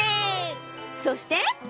そして。